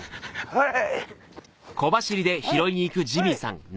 はい。